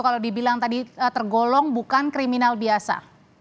kalau dibilang tadi tergolong bukan kriminal biasa